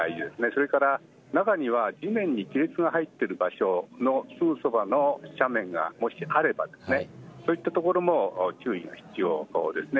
それから中には地面に亀裂が入っているすぐそばの斜面がもしあればですねそういった所も注意が必要ですね。